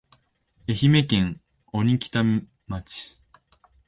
愛媛県鬼北町